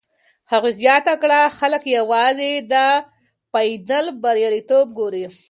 هغې زیاته کړه، خلک یوازې د فاینل بریالیتوب ګوري.